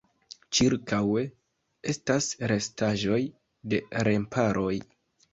Ĉirkaŭe estas restaĵoj de remparoj.